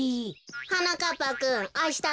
はなかっぱくんあした